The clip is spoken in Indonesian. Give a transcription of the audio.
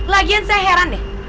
lagian saya heran deh